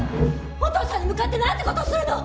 お父さんに向かってなんて事をするの！